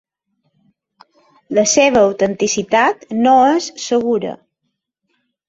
La seva autenticitat no és segura.